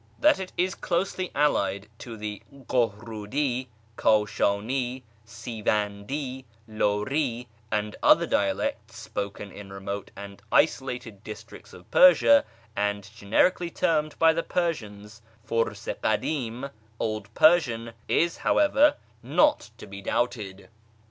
That it is closely allied to the Kohrudi, K;ishani, Sivandi, Luri, and other dialects spoken in remote and isolated districts of Persia, and generically termed by the Persians " Furs i kadim" ("Old Persian"), is, however, not to be doubted.